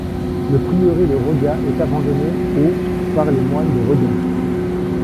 Le prieuré de Roga est abandonné au par les moines de Redon.